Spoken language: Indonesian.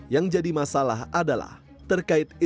yang jadi masalah adalah terkait informasi